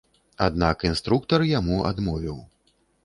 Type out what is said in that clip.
Аднак інструктар яму адмовіў.